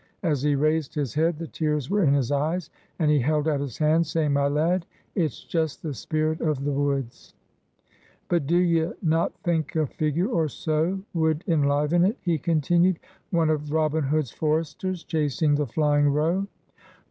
As he raised his head, the tears were in his eyes, and he held out his hand, saying, "My lad, it's just the spirit of the woods. "But d'ye not think a figure or so would enliven it?" he continued. "One of Robin Hood's foresters 'chasing the flying roe'?"